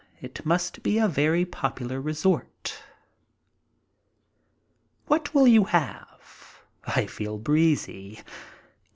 It must be a very popular resort. "What will you have?" I feel breezy.